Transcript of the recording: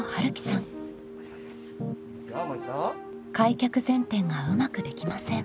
開脚前転がうまくできません。